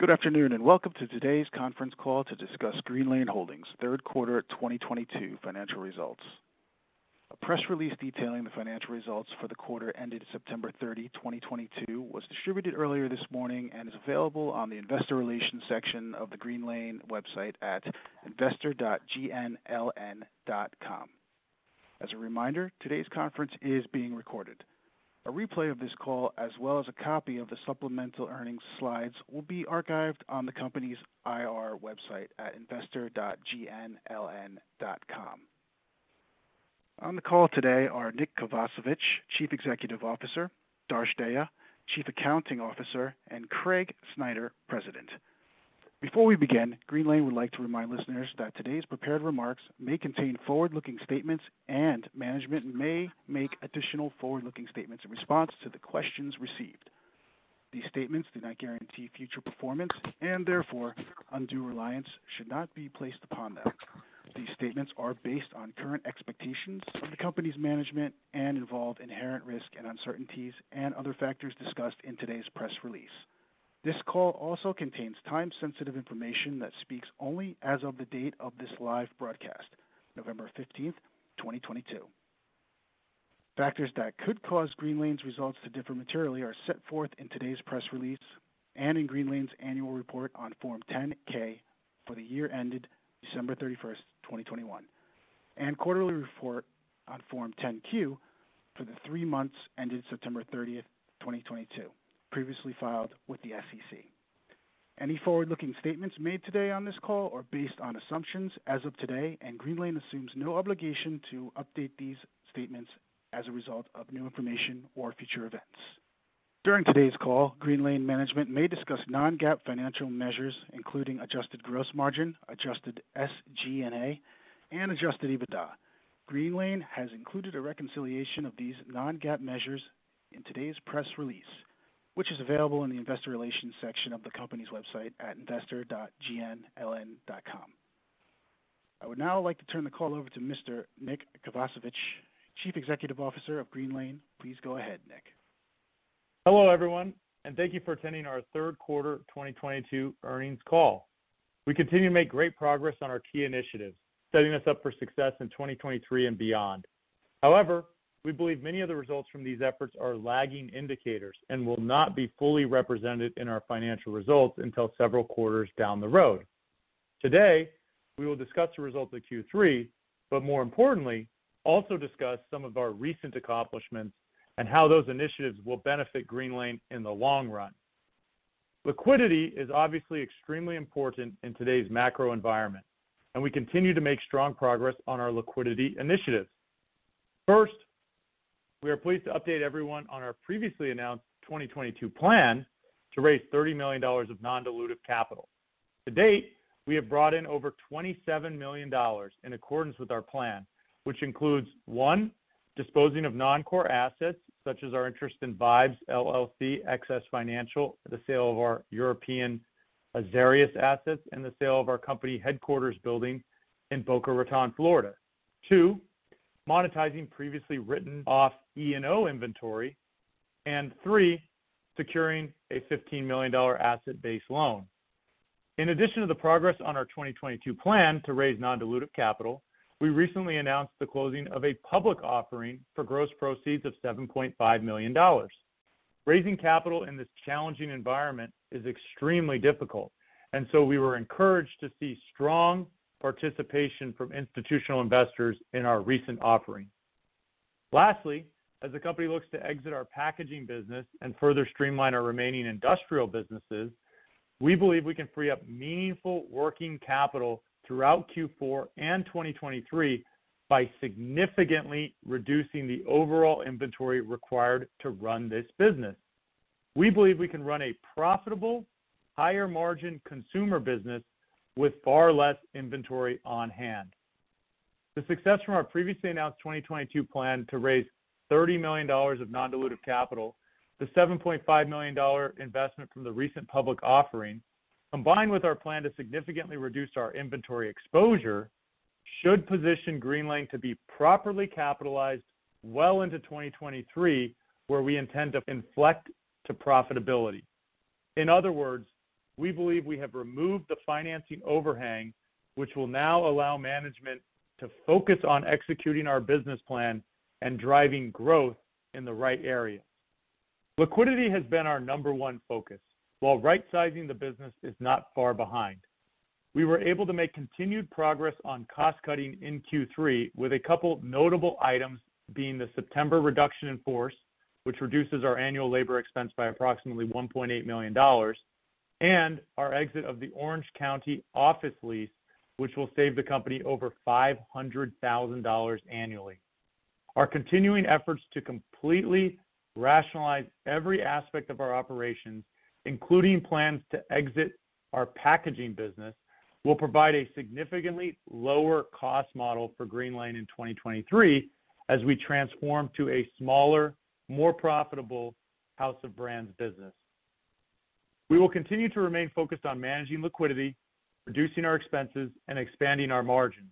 Good afternoon, and welcome to today's conference call to discuss Greenlane Holdings third quarter 2022 financial results. A press release detailing the financial results for the quarter ended September 30, 2022, was distributed earlier this morning and is available on the investor relations section of the Greenlane website at investor.gnln.com. As a reminder, today's conference is being recorded. A replay of this call, as well as a copy of the supplemental earnings slides, will be archived on the company's IR website at investor.gnln.com. On the call today are Nick Kovacevich, Chief Executive Officer, Darsh Dahya, Chief Accounting Officer, and Craig Snyder, President. Before we begin, Greenlane would like to remind listeners that today's prepared remarks may contain forward-looking statements, and management may make additional forward-looking statements in response to the questions received. These statements do not guarantee future performance and therefore undue reliance should not be placed upon them. These statements are based on current expectations of the company's management and involve inherent risk and uncertainties and other factors discussed in today's press release. This call also contains time-sensitive information that speaks only as of the date of this live broadcast, November 15, 2022. Factors that could cause Greenlane's results to differ materially are set forth in today's press release and in Greenlane's annual report on Form 10-K for the year ended December 31, 2021, and quarterly report on Form 10-Q for the three months ended September 30, 2022, previously filed with the SEC. Any forward-looking statements made today on this call are based on assumptions as of today, and Greenlane assumes no obligation to update these statements as a result of new information or future events. During today's call, Greenlane management may discuss non-GAAP financial measures, including adjusted gross margin, adjusted SG&A, and adjusted EBITDA. Greenlane has included a reconciliation of these non-GAAP measures in today's press release, which is available in the investor relations section of the company's website at investor.gnln.com. I would now like to turn the call over to Mr. Nick Kovacevich, Chief Executive Officer of Greenlane. Please go ahead, Nick. Hello, everyone, and thank you for attending our third quarter 2022 earnings call. We continue to make great progress on our key initiatives, setting us up for success in 2023 and beyond. However, we believe many of the results from these efforts are lagging indicators and will not be fully represented in our financial results until several quarters down the road. Today, we will discuss the results of Q3, but more importantly, also discuss some of our recent accomplishments and how those initiatives will benefit Greenlane in the long run. Liquidity is obviously extremely important in today's macro environment, and we continue to make strong progress on our liquidity initiatives. First, we are pleased to update everyone on our previously announced 2022 plan to raise $30 million of non-dilutive capital. To date, we have brought in over $27 million in accordance with our plan, which includes, one, disposing of non-core assets such as our interest in Vibes, LLC, excess financial assets, the sale of our European Azarius assets, and the sale of our company headquarters building in Boca Raton, Florida. Two, monetizing previously written-off E&O inventory. Three, securing a $15 million asset-based loan. In addition to the progress on our 2022 plan to raise non-dilutive capital, we recently announced the closing of a public offering for gross proceeds of $7.5 million. Raising capital in this challenging environment is extremely difficult, and so we were encouraged to see strong participation from institutional investors in our recent offering. Lastly, as the company looks to exit our packaging business and further streamline our remaining industrial businesses, we believe we can free up meaningful working capital throughout Q4 and 2023 by significantly reducing the overall inventory required to run this business. We believe we can run a profitable, higher margin consumer business with far less inventory on-hand. The success from our previously announced 2022 plan to raise $30 million of non-dilutive capital, the $7.5 million investment from the recent public offering, combined with our plan to significantly reduce our inventory exposure, should position Greenlane to be properly capitalized well into 2023, where we intend to inflect to profitability. In other words, we believe we have removed the financing overhang, which will now allow management to focus on executing our business plan and driving growth in the right areas. Liquidity has been our number one focus, while right-sizing the business is not far behind. We were able to make continued progress on cost-cutting in Q3, with a couple notable items being the September reduction in force, which reduces our annual labor expense by approximately $1.8 million, and our exit of the Orange County office lease, which will save the company over $500,000 annually. Our continuing efforts to completely rationalize every aspect of our operations, including plans to exit our packaging business, will provide a significantly lower cost model for Greenlane in 2023 as we transform to a smaller, more profitable house of brands business. We will continue to remain focused on managing liquidity, reducing our expenses, and expanding our margins.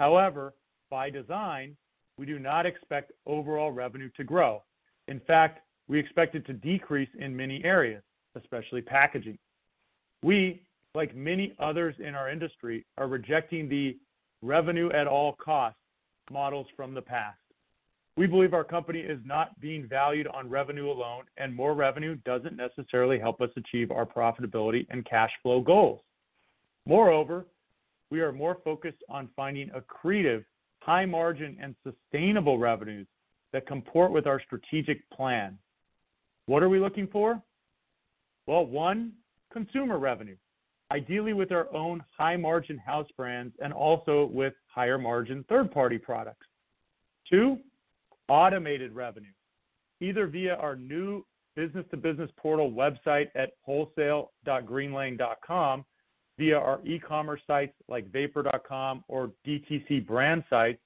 However, by design, we do not expect overall revenue to grow. In fact, we expect it to decrease in many areas, especially packaging. We, like many others in our industry, are rejecting the revenue at all costs models from the past. We believe our company is not being valued on revenue alone, and more revenue doesn't necessarily help us achieve our profitability and cash flow goals. Moreover, we are more focused on finding accretive, high margin and sustainable revenues that comport with our strategic plan. What are we looking for? Well, one, consumer revenue, ideally with our own high-margin house brands and also with higher-margin third-party products. Two, automated revenue, either via our new business-to-business portal website at wholesale.greenlane.com, via our e-commerce sites like vapor.com or DTC brand sites,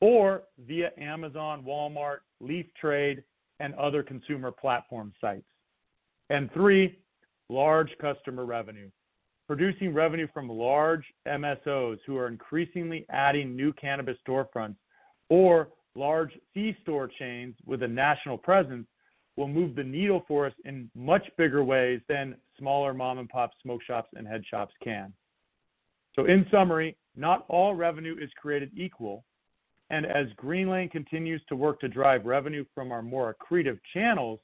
or via Amazon, Walmart, Leaf Trade, and other consumer platform sites. Three, large customer revenue. Producing revenue from large MSOs who are increasingly adding new cannabis storefronts or large C-store chains with a national presence will move the needle for us in much bigger ways than smaller mom-and-pop smoke shops and head shops can. In summary, not all revenue is created equal, and as Greenlane continues to work to drive revenue from our more accretive channels,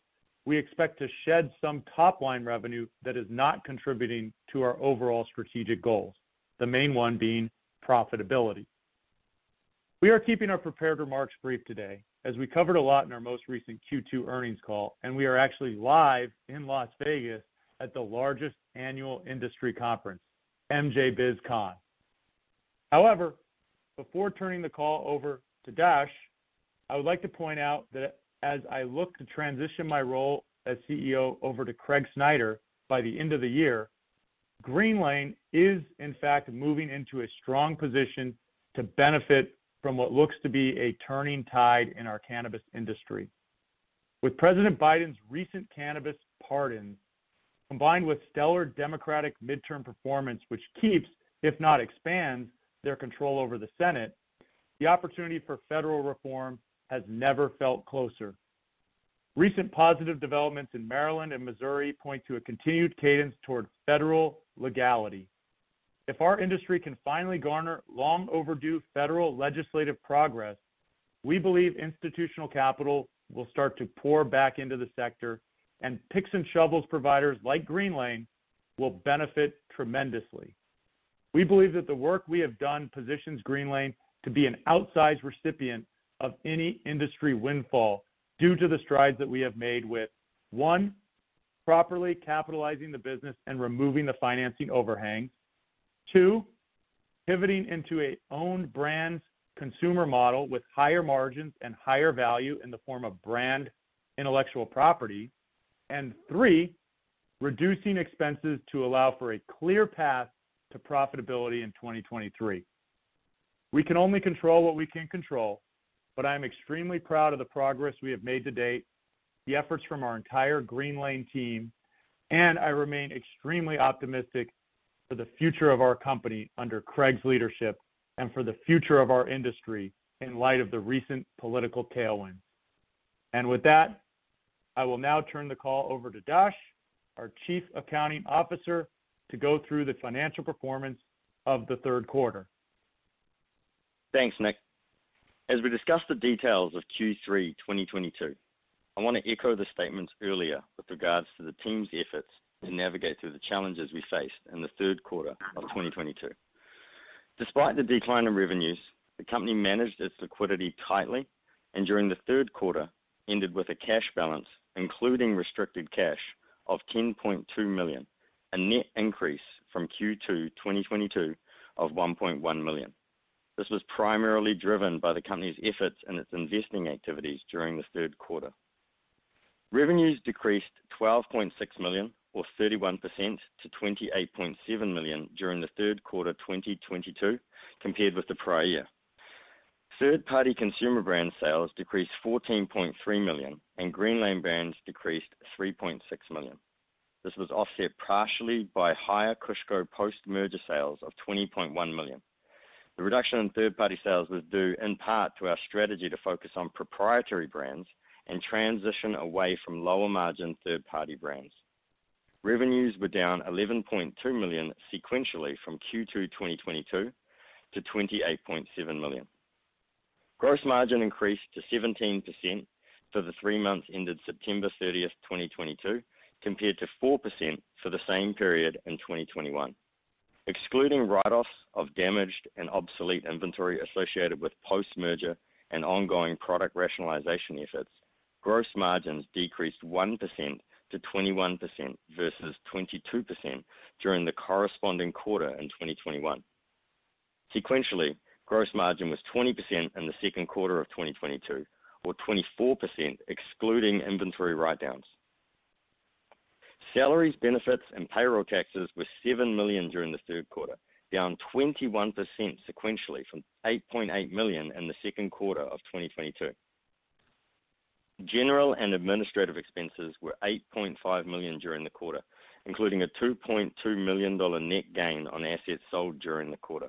we expect to shed some top-line revenue that is not contributing to our overall strategic goals, the main one being profitability. We are keeping our prepared remarks brief today, as we covered a lot in our most recent Q2 earnings call, and we are actually live in Las Vegas at the largest annual industry conference, MJBizCon. However, before turning the call over to Dash, I would like to point out that as I look to transition my role as CEO over to Craig Snyder by the end of the year, Greenlane is in fact moving into a strong position to benefit from what looks to be a turning tide in our cannabis industry. With President Biden's recent cannabis pardon, combined with stellar Democratic midterm performance, which keeps, if not expands, their control over the Senate, the opportunity for federal reform has never felt closer. Recent positive developments in Maryland and Missouri point to a continued cadence towards federal legality. If our industry can finally garner long overdue federal legislative progress, we believe institutional capital will start to pour back into the sector, and picks and shovels providers like Greenlane will benefit tremendously. We believe that the work we have done positions Greenlane to be an outsized recipient of any industry windfall due to the strides that we have made with, one, properly capitalizing the business and removing the financing overhang. Two, pivoting into a owned brands consumer model with higher margins and higher value in the form of brand intellectual property. Three, reducing expenses to allow for a clear path to profitability in 2023. We can only control what we can control, but I am extremely proud of the progress we have made to date, the efforts from our entire Greenlane team, and I remain extremely optimistic for the future of our company under Craig's leadership and for the future of our industry in light of the recent political tailwind. With that, I will now turn the call over to Darsh Dahya, our Chief Accounting Officer, to go through the financial performance of the third quarter. Thanks, Nick. As we discuss the details of Q3 2022, I wanna echo the statements earlier with regards to the team's efforts to navigate through the challenges we faced in the third quarter of 2022. Despite the decline in revenues, the company managed its liquidity tightly, and during the third quarter, ended with a cash balance, including restricted cash of $10.2 million, a net increase from Q2 2022 of $1.1 million. This was primarily driven by the company's efforts and its investing activities during the third quarter. Revenues decreased $12.6 million or 31% to $28.7 million during the third quarter 2022 compared with the prior year. Third-party consumer brand sales decreased $14.3 million, and Greenlane brands decreased $3.6 million. This was offset partially by higher Kushco post-merger sales of $20.1 million. The reduction in third-party sales was due in part to our strategy to focus on proprietary brands and transition away from lower-margin third-party brands. Revenues were down $11.2 million sequentially from Q2 2022 to $28.7 million. Gross margin increased to 17% for the three months ended September 30, 2022, compared to 4% for the same period in 2021. Excluding write-offs of damaged and obsolete inventory associated with post-merger and ongoing product rationalization efforts, gross margins decreased 1% to 21% versus 22% during the corresponding quarter in 2021. Sequentially, gross margin was 20% in the second quarter of 2022, or 24% excluding inventory write-downs. Salaries, benefits, and payroll taxes were $7 million during the third quarter, down 21% sequentially from $8.8 million in the second quarter of 2022. General and administrative expenses were $8.5 million during the quarter, including a $2.2 million net gain on assets sold during the quarter.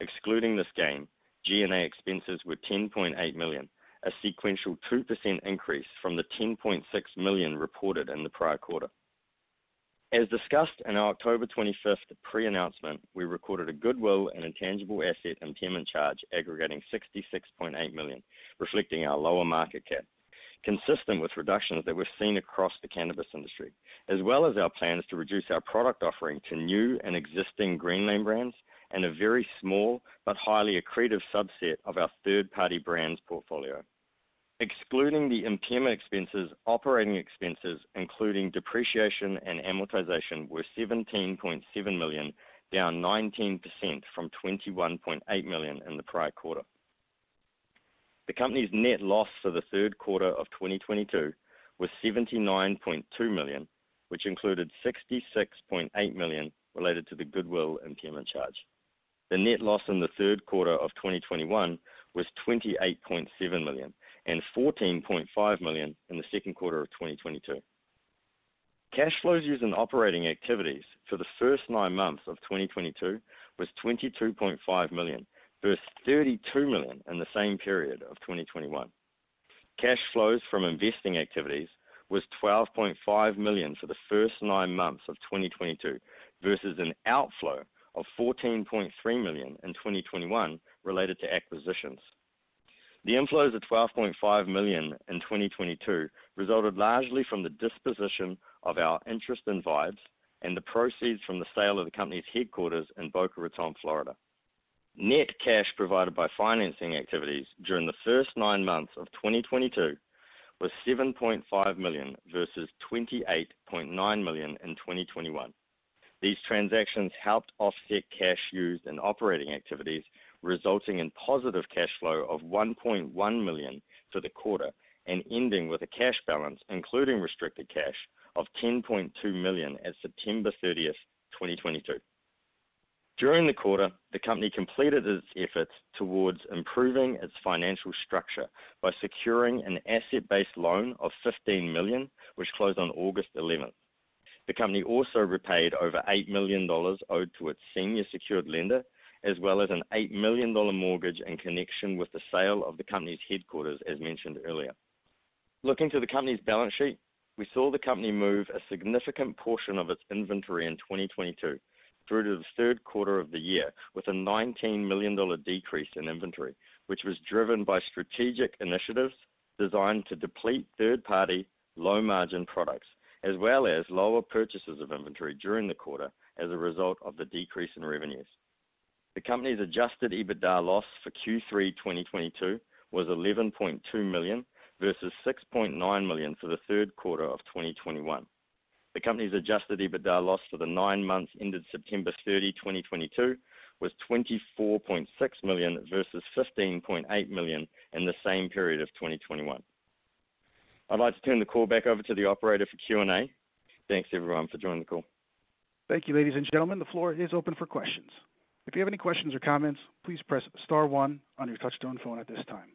Excluding this gain, G&A expenses were $10.8 million, a sequential 2% increase from the $10.6 million reported in the prior quarter. As discussed in our October 25th pre-announcement, we recorded a goodwill and intangible asset impairment charge aggregating $66.8 million, reflecting our lower market cap, consistent with reductions that we're seeing across the cannabis industry, as well as our plans to reduce our product offering to new and existing Greenlane brands and a very small but highly accretive subset of our third-party brands portfolio. Excluding the impairment expenses, operating expenses, including depreciation and amortization, were $17.7 million, down 19% from $21.8 million in the prior quarter. The company's net loss for the third quarter of 2022 was $79.2 million, which included $66.8 million related to the goodwill impairment charge. The net loss in the third quarter of 2021 was $28.7 million and $14.5 million in the second quarter of 2022. Cash flows used in operating activities for the first nine months of 2022 was $22.5 million versus $32 million in the same period of 2021. Cash flows from investing activities was $12.5 million for the first nine months of 2022 versus an outflow of $14.3 million in 2021 related to acquisitions. The inflows of $12.5 million in 2022 resulted largely from the disposition of our interest in Vibes and the proceeds from the sale of the company's headquarters in Boca Raton, Florida. Net cash provided by financing activities during the first nine months of 2022 was $7.5 million versus $28.9 million in 2021. These transactions helped offset cash used in operating activities, resulting in positive cash flow of $1.1 million for the quarter and ending with a cash balance, including restricted cash, of $10.2 million at September 30, 2022. During the quarter, the company completed its efforts towards improving its financial structure by securing an asset-based loan of $15 million, which closed on August 11. The company also repaid over $8 million owed to its senior secured lender, as well as a $8 million mortgage in connection with the sale of the company's headquarters, as mentioned earlier. Looking to the company's balance sheet, we saw the company move a significant portion of its inventory in 2022 through to the third quarter of the year with a $19 million decrease in inventory, which was driven by strategic initiatives designed to deplete third-party low-margin products, as well as lower purchases of inventory during the quarter as a result of the decrease in revenues. The company's Adjusted EBITDA loss for Q3 2022 was $11.2 million versus $6.9 million for the third quarter of 2021. The company's Adjusted EBITDA loss for the nine months ended September 30, 2022 was $24.6 million versus $15.8 million in the same period of 2021. I'd like to turn the call back over to the operator for Q&A. Thanks everyone for joining the call. Thank you, ladies and gentlemen. The floor is open for questions. If you have any questions or comments, please press star one on your touchtone phone at this time.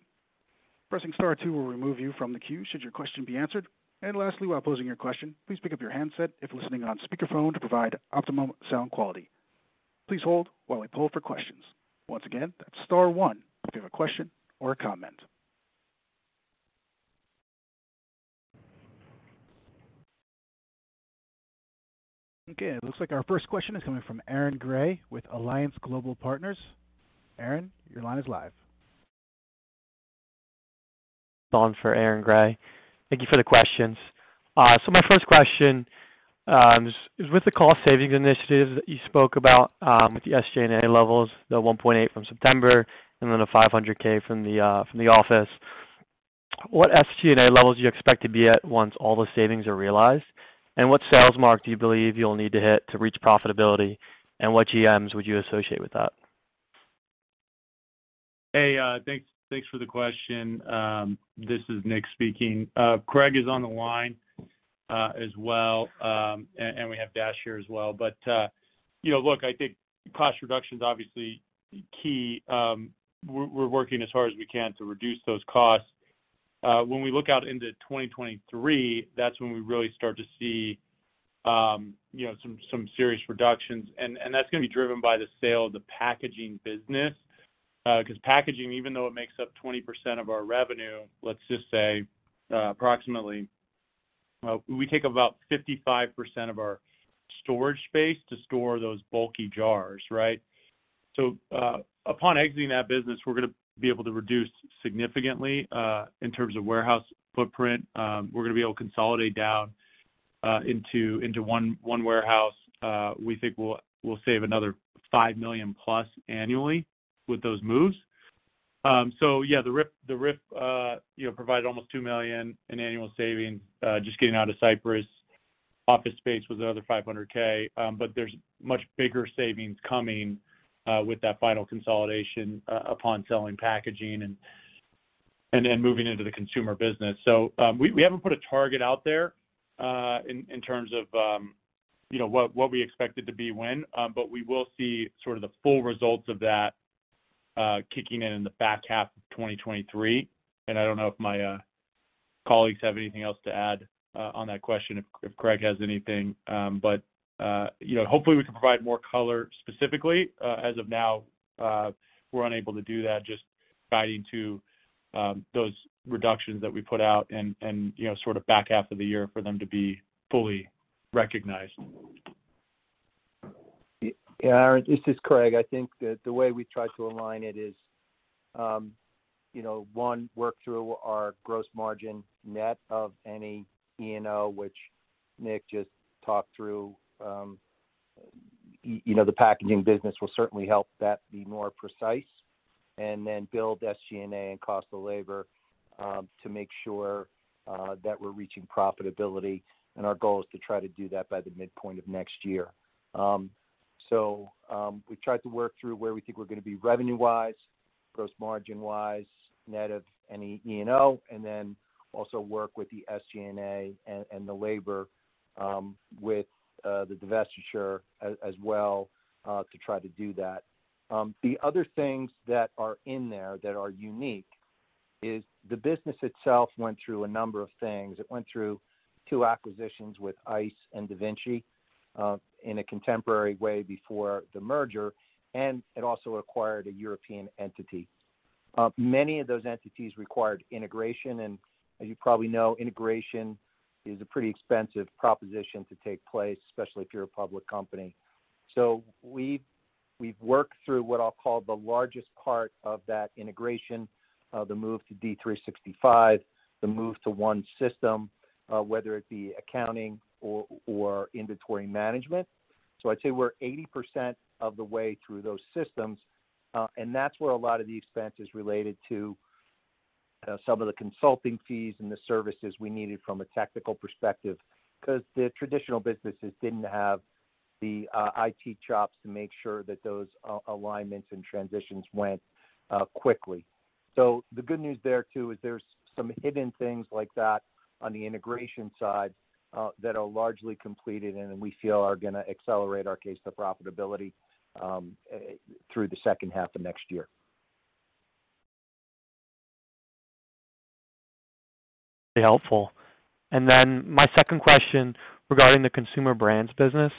Pressing star two will remove you from the queue should your question be answered. Lastly, while posing your question, please pick up your handset if listening on speakerphone to provide optimum sound quality. Please hold while we poll for questions. Once again, that's star one if you have a question or a comment. Okay, it looks like our first question is coming from Aaron Grey with Alliance Global Partners. Aaron, your line is live. On for Aaron Grey. Thank you for the questions. My first question is with the cost savings initiatives that you spoke about, with the SG&A levels, the $1.8 from September and then the $500K from the office. What SG&A levels do you expect to be at once all those savings are realized? And what sales mark do you believe you'll need to hit to reach profitability, and what GMs would you associate with that? Hey, thanks for the question. This is Nick speaking. Craig is on the line as well, and we have Dash here as well. You know, look, I think cost reduction is obviously key. We're working as hard as we can to reduce those costs. When we look out into 2023, that's when we really start to see you know, some serious reductions. That's gonna be driven by the sale of the packaging business. 'Cause packaging, even though it makes up 20% of our revenue, let's just say, approximately, we take about 55% of our storage space to store those bulky jars, right? Upon exiting that business, we're gonna be able to reduce significantly in terms of warehouse footprint. We're gonna be able to consolidate down into one warehouse. We think we'll save another $5 million-plus annually with those moves. Yeah, the RIF, you know, provided almost $2 million in annual savings, just getting out of Cypress. Office space was another $500K. But there's much bigger savings coming with that final consolidation upon selling packaging and then moving into the consumer business. We haven't put a target out there in terms of, you know, what we expect it to be when. But we will see sort of the full results of that. Kicking in the back half of 2023. I don't know if my colleagues have anything else to add on that question, if Craig has anything. You know, hopefully we can provide more color specifically. As of now, we're unable to do that, just guiding to those reductions that we put out and, you know, sort of back half of the year for them to be fully recognized. Yeah, Aaron, this is Craig. I think the way we try to align it is, you know, one, work through our gross margin net of any E&O, which Nick just talked through. You know, the packaging business will certainly help that be more precise. Then build SG&A and cost of labor to make sure that we're reaching profitability. Our goal is to try to do that by the midpoint of next year. We've tried to work through where we think we're gonna be revenue-wise, gross margin-wise, net of any E&O, and then also work with the SG&A and the labor with the divestiture as well to try to do that. The other things that are in there that are unique is the business itself went through a number of things. It went through two acquisitions with Eyce and DaVinci, in a complementary way before the merger, and it also acquired a European entity. Many of those entities required integration, and as you probably know, integration is a pretty expensive proposition to take place, especially if you're a public company. We've worked through what I'll call the largest part of that integration, the move to D365, the move to one system, whether it be accounting or inventory management. I'd say we're 80% of the way through those systems, and that's where a lot of the expense is related to, some of the consulting fees and the services we needed from a technical perspective. 'Cause the traditional businesses didn't have the IT chops to make sure that those alignments and transitions went quickly. The good news there too is there's some hidden things like that on the integration side that are largely completed and then we feel are gonna accelerate our case to profitability through the second half of next year. Very helpful. My second question regarding the consumer brands business.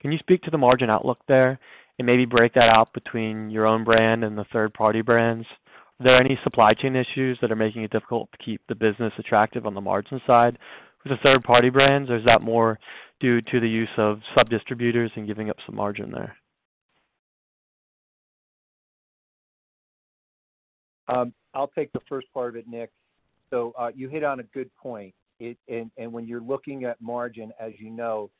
Can you speak to the margin outlook there, and maybe break that out between your own brand and the third-party brands? Are there any supply chain issues that are making it difficult to keep the business attractive on the margin side with the third-party brands, or is that more due to the use of sub-distributors and giving up some margin there? I'll take the first part of it, Nick. You hit on a good point. When you're looking at margin, as you know,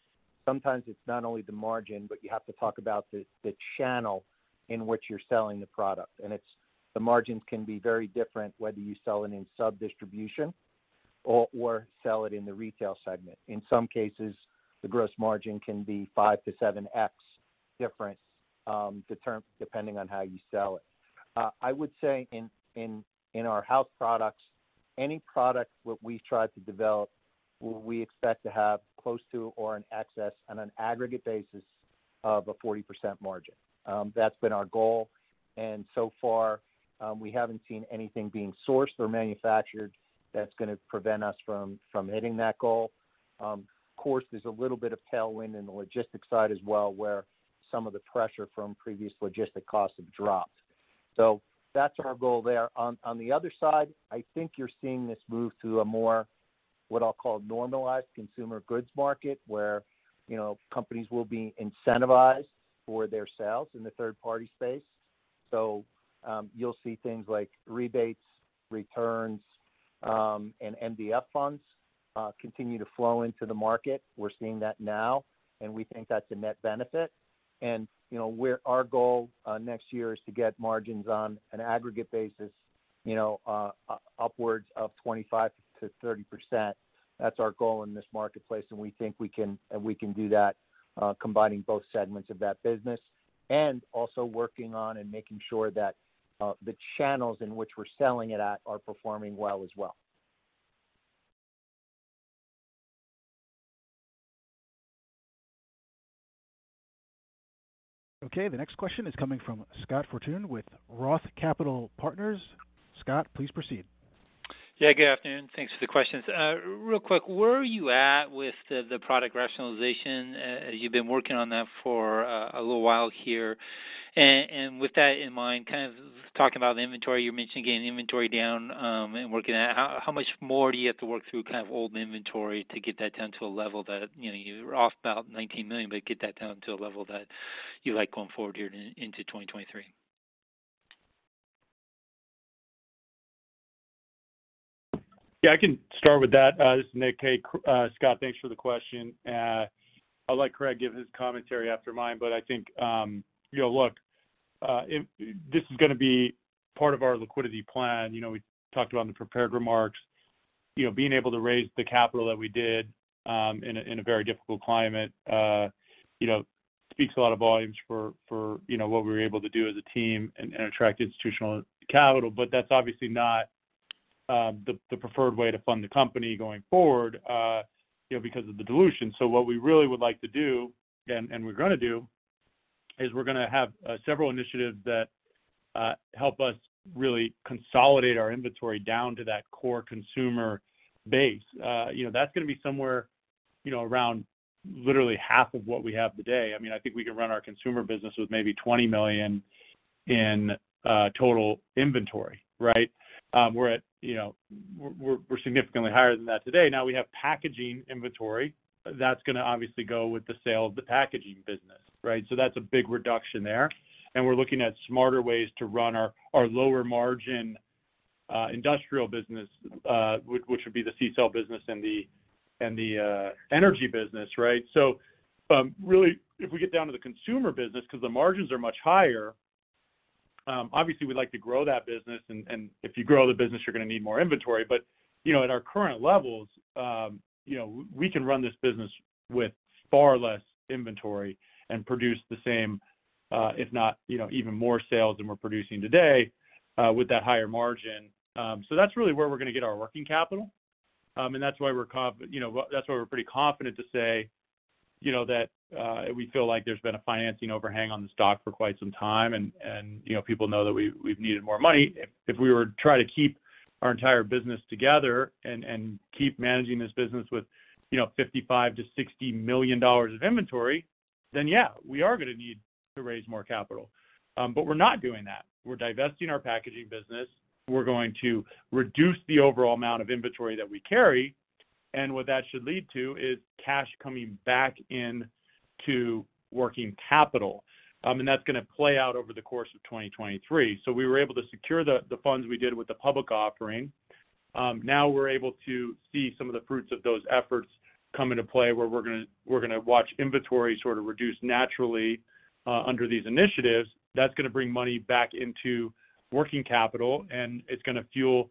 sometimes it's not only the margin, but you have to talk about the channel in which you're selling the product. The margins can be very different whether you sell it in sub-distribution or sell it in the retail segment. In some cases, the gross margin can be 5-7x difference, depending on how you sell it. I would say in our house products, any product we try to develop, we expect to have close to or in excess of a 40% margin on an aggregate basis. That's been our goal, and so far, we haven't seen anything being sourced or manufactured that's gonna prevent us from hitting that goal. Of course, there's a little bit of tailwind in the logistics side as well, where some of the pressure from previous logistic costs have dropped. That's our goal there. On the other side, I think you're seeing this move to a more, what I'll call, normalized consumer goods market where, you know, companies will be incentivized for their sales in the third party space. You'll see things like rebates, returns, and MDF funds continue to flow into the market. We're seeing that now, and we think that's a net benefit. You know, our goal next year is to get margins on an aggregate basis, you know, upwards of 25%-30%. That's our goal in this marketplace, and we think we can, and we can do that, combining both segments of that business. Also working on and making sure that, the channels in which we're selling it at are performing well as well. Okay. The next question is coming from Scott Fortune with Roth Capital Partners. Scott, please proceed. Yeah, good afternoon. Thanks for the questions. Real quick, where are you at with the product rationalization? You've been working on that for a little while here. And with that in mind, kind of talking about inventory, you mentioned getting inventory down and working out. How much more do you have to work through kind of old inventory to get that down to a level that, you know, you're at about $19 million, but get that down to a level that you like going forward here into 2023? Yeah, I can start with that. This is Nick Kovacevich. Scott, thanks for the question. I'll let Craig give his commentary after mine, but I think, you know, look, this is gonna be part of our liquidity plan. You know, we talked about in the prepared remarks. You know, being able to raise the capital that we did, in a very difficult climate, you know, speaks volumes for what we were able to do as a team and attract institutional capital. But that's obviously not the preferred way to fund the company going forward, you know, because of the dilution. What we really would like to do, and we're gonna do is we're gonna have several initiatives that help us really consolidate our inventory down to that core consumer base. You know, that's gonna be somewhere, you know, around literally half of what we have today. I mean, I think we can run our consumer business with maybe $20 million in total inventory, right? We're at, you know, we're significantly higher than that today. Now, we have packaging inventory, that's gonna obviously go with the sale of the packaging business, right? That's a big reduction there. We're looking at smarter ways to run our lower margin industrial business, which would be the CCELL business and the energy business, right? Really, if we get down to the consumer business 'cause the margins are much higher, obviously we'd like to grow that business and if you grow the business, you're gonna need more inventory. You know, at our current levels, you know, we can run this business with far less inventory and produce the same, if not, you know, even more sales than we're producing today, with that higher margin. That's really where we're gonna get our working capital. That's why we're pretty confident to say, you know, that we feel like there's been a financing overhang on the stock for quite some time and, you know, people know that we've needed more money. If we were to try to keep our entire business together and keep managing this business with, you know, $55 million-$60 million of inventory, then yeah, we are gonna need to raise more capital. We're not doing that. We're divesting our packaging business. We're going to reduce the overall amount of inventory that we carry, and what that should lead to is cash coming back into working capital. That's gonna play out over the course of 2023. We were able to secure the funds we did with the public offering. Now we're able to see some of the fruits of those efforts come into play, where we're gonna watch inventory sort of reduce naturally under these initiatives. That's gonna bring money back into working capital, and it's gonna fuel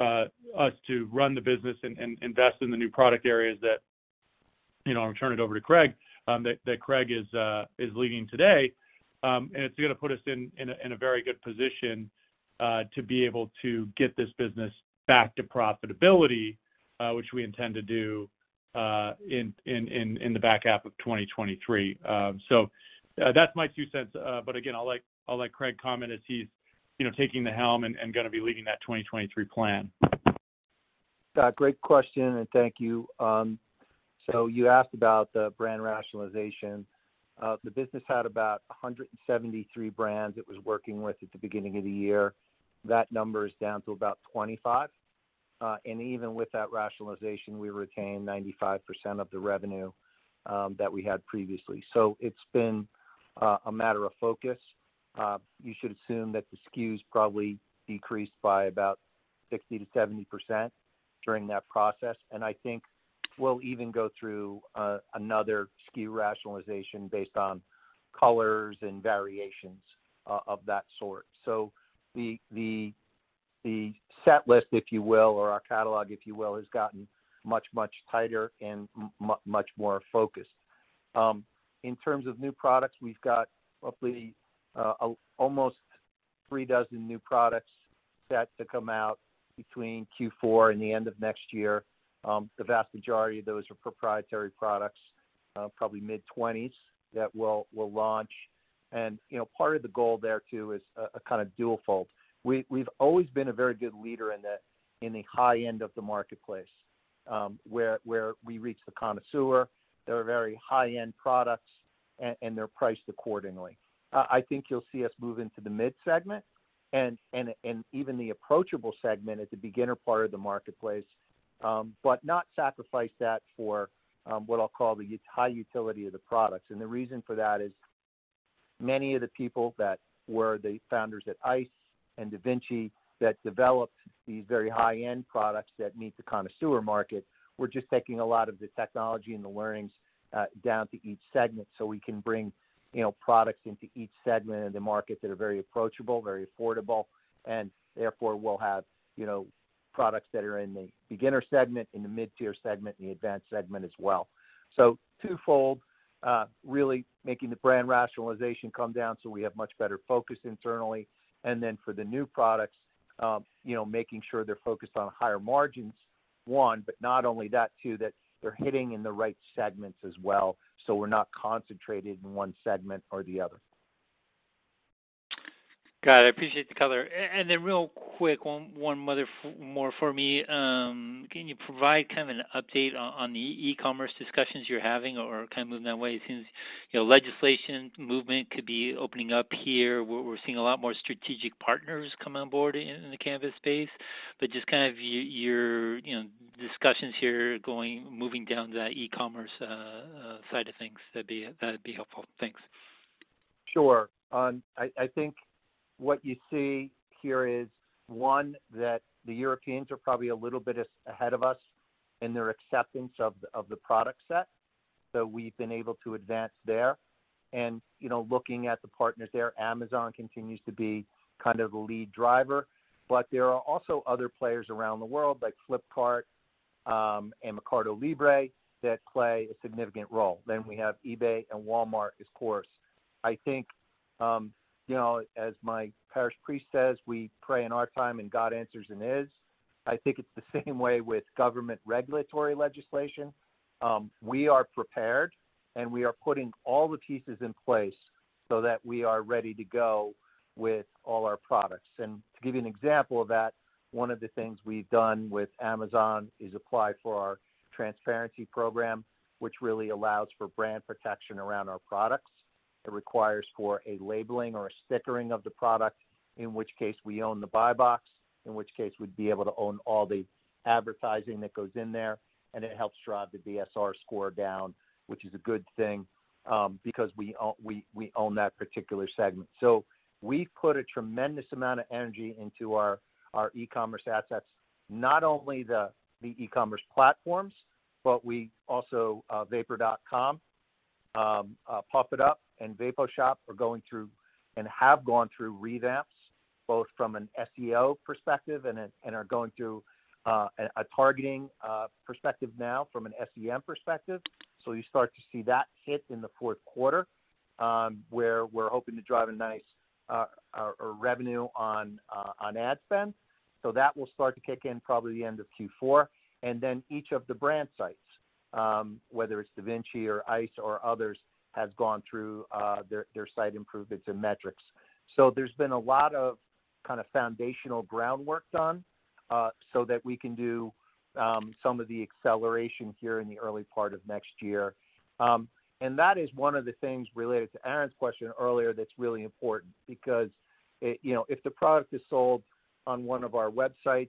us to run the business and invest in the new product areas that, you know, I'll turn it over to Craig, that Craig is leading today. It's gonna put us in a very good position to be able to get this business back to profitability, which we intend to do in the back half of 2023. That's my two cents. Again, I'll let Craig comment as he's, you know, taking the helm and gonna be leading that 2023 plan. Great question, and thank you. You asked about the brand rationalization. The business had about 173 brands it was working with at the beginning of the year. That number is down to about 25. Even with that rationalization, we retained 95% of the revenue that we had previously. It's been a matter of focus. You should assume that the SKUs probably decreased by about 60%-70% during that process. I think we'll even go through another SKU rationalization based on colors and variations of that sort. The set list, if you will, or our catalog, if you will, has gotten much tighter and much more focused. In terms of new products, we've got roughly almost 36 new products set to come out between Q4 and the end of next year. The vast majority of those are proprietary products, probably mid-20s that we'll launch. You know, part of the goal there too is a kind of twofold. We've always been a very good leader in the high end of the marketplace, where we reach the connoisseur. They're very high-end products, and they're priced accordingly. I think you'll see us move into the mid-segment and even the approachable segment at the beginner part of the marketplace, but not sacrifice that for what I'll call the high utility of the products. The reason for that is many of the people that were the founders at Eyce and DaVinci that developed these very high-end products that meet the connoisseur market, we're just taking a lot of the technology and the learnings down to each segment, so we can bring, you know, products into each segment of the market that are very approachable, very affordable, and therefore we'll have, you know, products that are in the beginner segment, in the mid-tier segment, in the advanced segment as well. Twofold, really making the brand rationalization come down so we have much better focus internally. Then for the new products, you know, making sure they're focused on higher margins, one, but not only that, two, that they're hitting in the right segments as well, so we're not concentrated in one segment or the other. Got it. I appreciate the color. Then real quick, one more for me. Can you provide kind of an update on the e-commerce discussions you're having or kind of moving that way? It seems, you know, legislation movement could be opening up here. We're seeing a lot more strategic partners come on board in the cannabis space. Just kind of your, you know, discussions here going, moving down the e-commerce side of things, that'd be helpful. Thanks. Sure. I think what you see here is, one, that the Europeans are probably a little bit ahead of us in their acceptance of the product set. We've been able to advance there. You know, looking at the partners there, Amazon continues to be kind of the lead driver. There are also other players around the world, like Flipkart, and Mercado Libre that play a significant role. We have eBay and Walmart, of course. I think, you know, as my parish priest says, we pray in our time and God answers in His. It's the same way with government regulatory legislation. We are prepared, and we are putting all the pieces in place so that we are ready to go with all our products. To give you an example of that, one of the things we've done with Amazon is apply for our transparency program, which really allows for brand protection around our products. It requires a labeling or a stickering of the product, in which case we own the buy box, in which case we'd be able to own all the advertising that goes in there, and it helps drive the BSR score down, which is a good thing, because we own that particular segment. We've put a tremendous amount of energy into our e-commerce assets, not only the e-commerce platforms, but we also vapor.com, PuffItUp and VapoShop are going through and have gone through revamps, both from an SEO perspective and are going through a targeting perspective now from an SEM perspective. You start to see that hit in the fourth quarter, where we're hoping to drive a nice revenue on ad spend. That will start to kick in probably the end of Q4. Each of the brand sites, whether it's DaVinci or Eyce or others, has gone through their site improvements and metrics. There's been a lot of kind of foundational groundwork done, so that we can do some of the acceleration here in the early part of next year. That is one of the things related to Aaron's question earlier that's really important because you know, if the product is sold on one of our websites,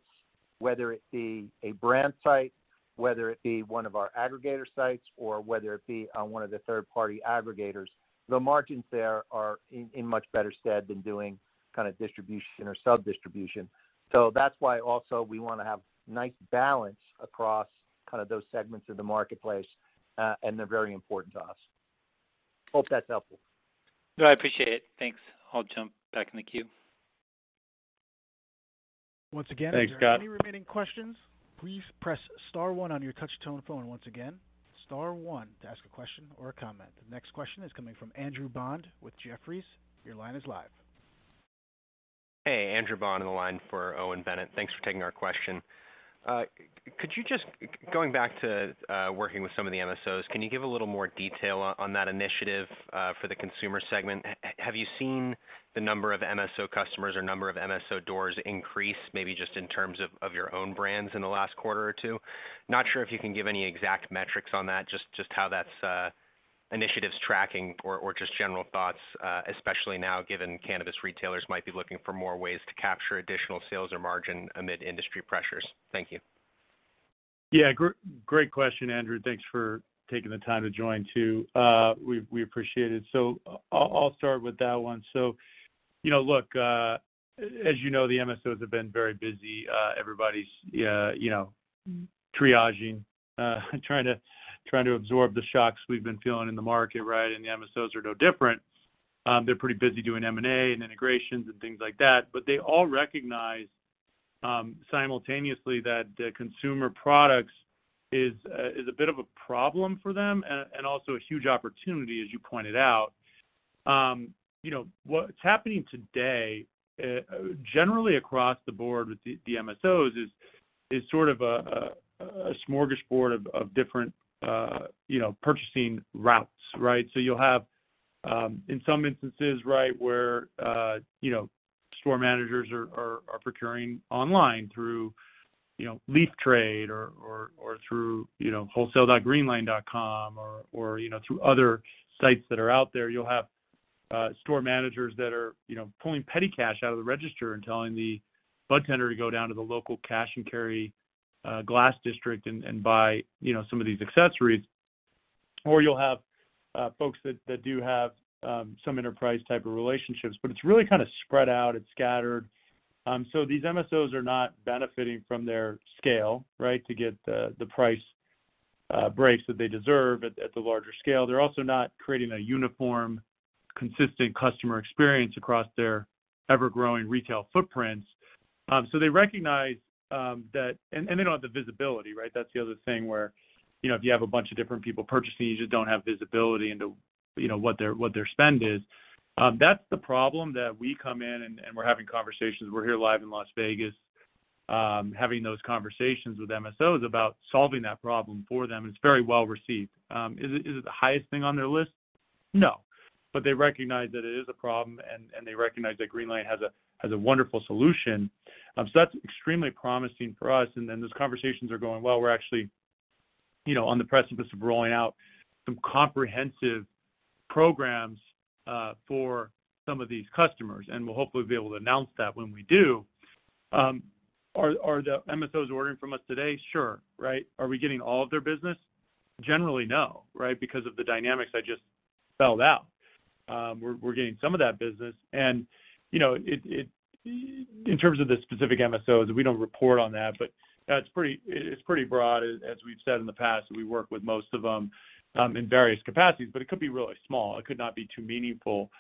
whether it be a brand site, whether it be one of our aggregator sites, or whether it be on one of the third-party aggregators, the margins there are in much better stead than doing kind of distribution or sub-distribution. That's why also we wanna have nice balance across kind of those segments of the marketplace. They're very important to us. Hope that's helpful. No, I appreciate it. Thanks. I'll jump back in the queue. Once again. Thanks, Scott. If there are any remaining questions, please press star one on your touch tone phone. Once again, star one to ask a question or a comment. The next question is coming from Andrew Bond with Jefferies. Your line is live. Hey, Andrew Bond on the line for Owen Bennett. Thanks for taking our question. Going back to working with some of the MSOs, can you give a little more detail on that initiative for the consumer segment? Have you seen the number of MSO customers or number of MSO doors increase, maybe just in terms of your own brands in the last quarter or two? Not sure if you can give any exact metrics on that, just how that's initiative's tracking or just general thoughts, especially now given cannabis retailers might be looking for more ways to capture additional sales or margin amid industry pressures. Thank you. Great question, Andrew. Thanks for taking the time to join, too. We appreciate it. I'll start with that one. You know, look, as you know, the MSOs have been very busy. Everybody's, you know, triaging, trying to absorb the shocks we've been feeling in the market, right? The MSOs are no different. They're pretty busy doing M&A and integrations and things like that. They all recognize simultaneously that the consumer products is a bit of a problem for them and also a huge opportunity, as you pointed out. You know, what's happening today, generally across the board with the MSOs is sort of a smorgasbord of different, you know, purchasing routes, right? You'll have, in some instances, right, where, you know, store managers are procuring online through, you know, Leaf Trade or through, you know, wholesale.greenlane.com or, you know, through other sites that are out there. You'll have store managers that are, you know, pulling petty cash out of the register and telling the budtender to go down to the local cash and carry, glass district and buy, you know, some of these accessories. Or you'll have folks that do have some enterprise type of relationships, but it's really kind of spread out. It's scattered. These MSOs are not benefiting from their scale, right, to get the price breaks that they deserve at the larger scale. They're also not creating a uniform, consistent customer experience across their ever-growing retail footprints. They recognize that they don't have the visibility, right? That's the other thing where, you know, if you have a bunch of different people purchasing, you just don't have visibility into, you know, what their spend is. That's the problem that we come in and we're having conversations. We're here live in Las Vegas, having those conversations with MSOs about solving that problem for them. It's very well received. Is it the highest thing on their list? No, but they recognize that it is a problem and they recognize that Greenlane has a wonderful solution. That's extremely promising for us. Those conversations are going well. We're actually, you know, on the precipice of rolling out some comprehensive programs for some of these customers, and we'll hopefully be able to announce that when we do. Are the MSOs ordering from us today? Sure, right? Are we getting all of their business? Generally, no, right? Because of the dynamics I just spelled out. We're getting some of that business. You know, in terms of the specific MSOs, we don't report on that, but it's pretty broad, as we've said in the past, we work with most of them in various capacities, but it could be really small. It could not be too meaningful.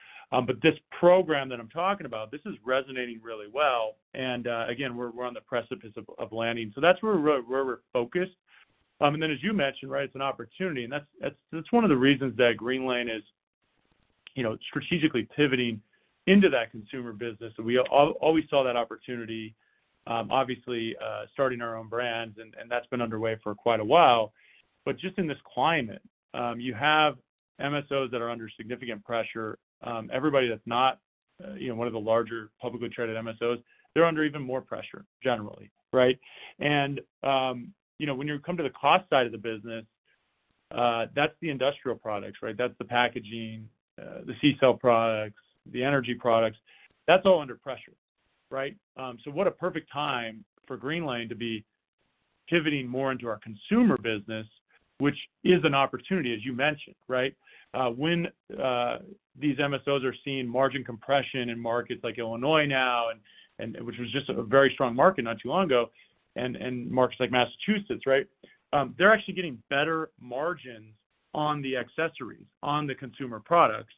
This program that I'm talking about, this is resonating really well, and again, we're on the precipice of landing. That's where we're focused. Then as you mentioned, right, it's an opportunity, and that's one of the reasons that Greenlane is, you know, strategically pivoting into that consumer business. We always saw that opportunity, obviously, starting our own brands, and that's been underway for quite a while. Just in this climate, you have MSOs that are under significant pressure. Everybody that's not, you know, one of the larger publicly traded MSOs, they're under even more pressure generally, right? You know, when you come to the cost side of the business, that's the industrial products, right? That's the packaging, the C sale products, the energy products. That's all under pressure, right? What a perfect time for Greenlane to be pivoting more into our consumer business, which is an opportunity, as you mentioned, right? When these MSOs are seeing margin compression in markets like Illinois now, which was just a very strong market not too long ago, and markets like Massachusetts, right? They're actually getting better margins on the accessories, on the consumer products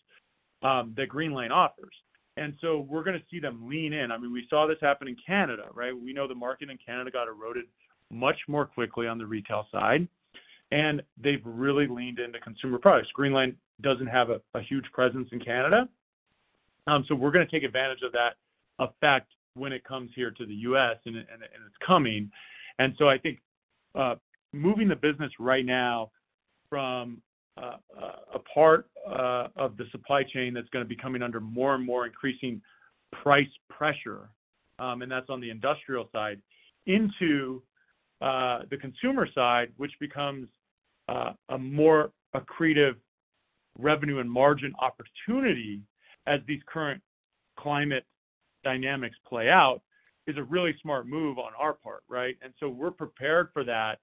that Greenlane offers. We're gonna see them lean in. I mean, we saw this happen in Canada, right? We know the market in Canada got eroded much more quickly on the retail side, and they've really leaned into consumer products. Greenlane doesn't have a huge presence in Canada, so we're gonna take advantage of that effect when it comes here to the U.S., and it's coming. I think moving the business right now from a part of the supply chain that's gonna be coming under more and more increasing price pressure, and that's on the industrial side, into the consumer side, which becomes a more accretive revenue and margin opportunity as these current climate dynamics play out, is a really smart move on our part, right? We're prepared for that.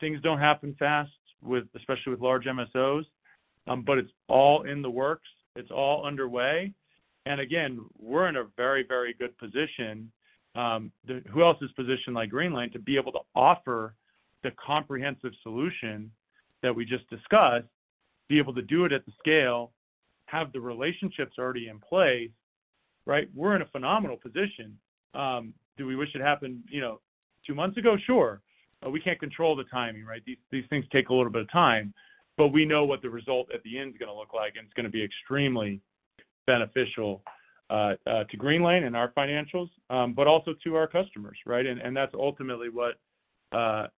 Things don't happen fast with especially with large MSOs, but it's all in the works. It's all underway. Again, we're in a very, very good position. Who else is positioned like Greenlane to be able to offer the comprehensive solution that we just discussed, be able to do it at the scale, have the relationships already in play, right? We're in a phenomenal position. Do we wish it happened, you know, two months ago? Sure. But we can't control the timing, right? These things take a little bit of time, but we know what the result at the end is gonna look like, and it's gonna be extremely beneficial to Greenlane and our financials, but also to our customers, right? And that's ultimately what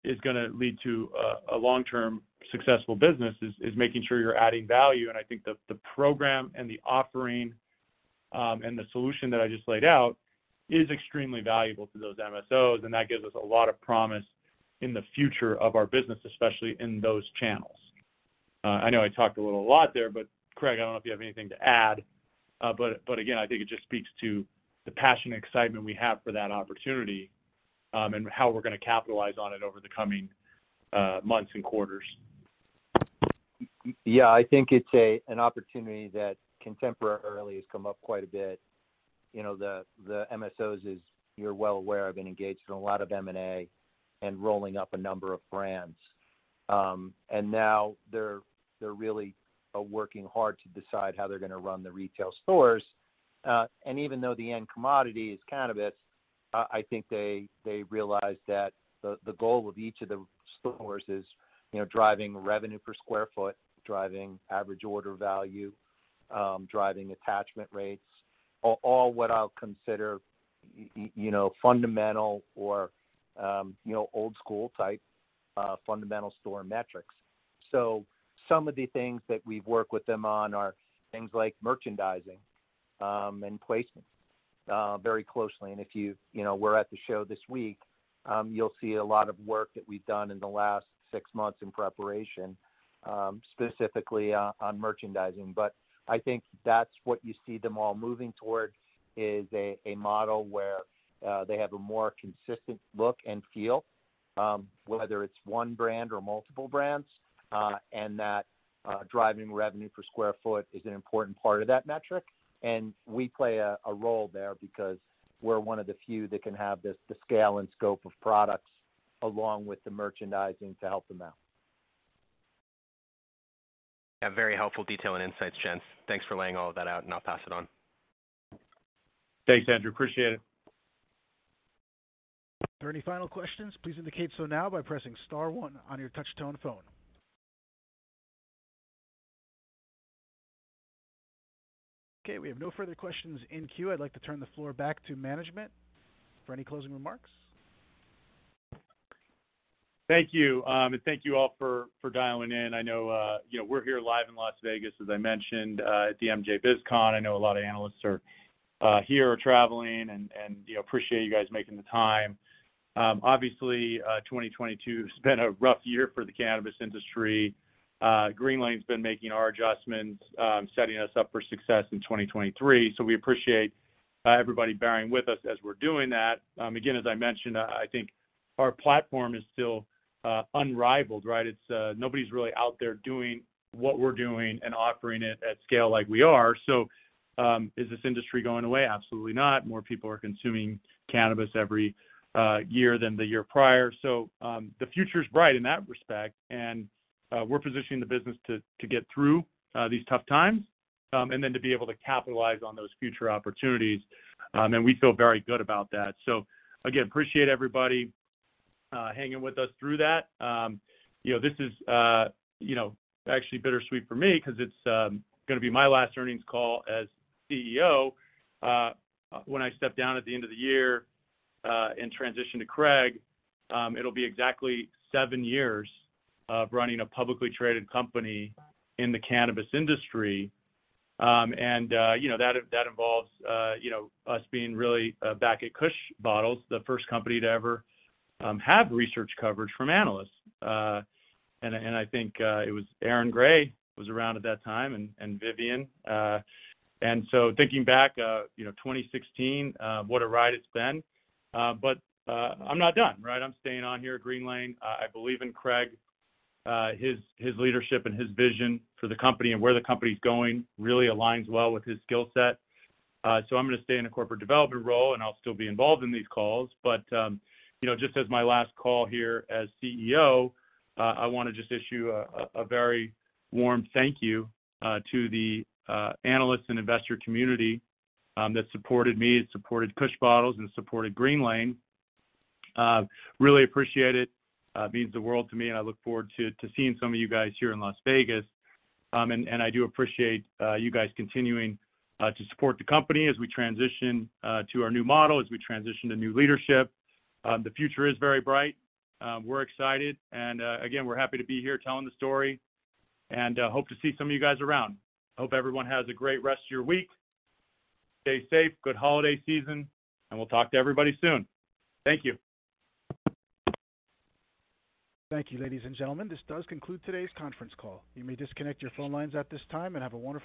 is gonna lead to a long-term successful business is making sure you're adding value. And I think the program and the offering and the solution that I just laid out is extremely valuable to those MSOs, and that gives us a lot of promise in the future of our business, especially in those channels. I know I talked a little lot there, but Craig, I don't know if you have anything to add. I think it just speaks to the passion and excitement we have for that opportunity, and how we're gonna capitalize on it over the coming months and quarters. Yeah. I think it's an opportunity that contemporarily has come up quite a bit. You know, the MSOs, you're well aware, have been engaged in a lot of M&A and rolling up a number of brands. Now they're really working hard to decide how they're gonna run the retail stores. Even though the end commodity is cannabis, I think they realize that the goal of each of the stores is, you know, driving revenue per square foot, driving average order value, driving attachment rates. All what I'll consider you know, fundamental or, you know, old school type, fundamental store metrics. Some of the things that we work with them on are things like merchandising and placement, very closely. If you know, we're at the show this week, you'll see a lot of work that we've done in the last six months in preparation, specifically on merchandising. I think that's what you see them all moving towards, is a model where they have a more consistent look and feel, whether it's one brand or multiple brands. That driving revenue per square foot is an important part of that metric, and we play a role there because we're one of the few that can have this, the scale and scope of products along with the merchandising to help them out. Yeah. Very helpful detail and insights, gents. Thanks for laying all of that out, and I'll pass it on. Thanks, Andrew. Appreciate it. Are there any final questions? Please indicate so now by pressing star one on your touch tone phone. Okay, we have no further questions in queue. I'd like to turn the floor back to management for any closing remarks. Thank you. And thank you all for dialing in. I know you know, we're here live in Las Vegas, as I mentioned, at the MJBizCon. I know a lot of analysts are here or traveling and you know, appreciate you guys making the time. Obviously, 2022 has been a rough year for the cannabis industry. Greenlane's been making our adjustments, setting us up for success in 2023. We appreciate everybody bearing with us as we're doing that. Again, as I mentioned, I think our platform is still unrivaled, right? It's nobody's really out there doing what we're doing and offering it at scale like we are. Is this industry going away? Absolutely not. More people are consuming cannabis every year than the year prior. The future's bright in that respect. We're positioning the business to get through these tough times and then to be able to capitalize on those future opportunities. We feel very good about that. Again, appreciate everybody hanging with us through that. You know, this is actually bittersweet for me because it's gonna be my last earnings call as CEO. When I step down at the end of the year and transition to Craig, it'll be exactly seven years of running a publicly traded company in the cannabis industry. You know, that involves you know, us being really back at Kush Bottles, the first company to ever have research coverage from analysts. I think it was Aaron Grey was around at that time and Vivien. Thinking back, you know, 2016, what a ride it's been. I'm not done, right? I'm staying on here at Greenlane. I believe in Craig. His leadership and his vision for the company and where the company's going really aligns well with his skill set. I'm gonna stay in a corporate development role, and I'll still be involved in these calls. You know, just as my last call here as CEO, I want to just issue a very warm thank you to the analysts and investor community that supported me and supported Kush Bottles and supported Greenlane. Really appreciate it. It means the world to me, and I look forward to seeing some of you guys here in Las Vegas. I do appreciate you guys continuing to support the company as we transition to our new model, as we transition to new leadership. The future is very bright. We're excited. Again, we're happy to be here telling the story, and hope to see some of you guys around. Hope everyone has a great rest of your week. Stay safe, good holiday season, and we'll talk to everybody soon. Thank you. Thank you, ladies and gentlemen. This does conclude today's conference call. You may disconnect your phone lines at this time and have a wonderful day.